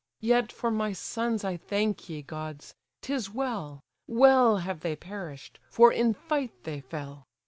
Yet for my sons I thank ye, gods! 'tis well; Well have they perish'd, for in fight they fell.